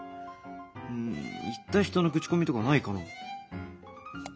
うん行った人の口コミとかないかな？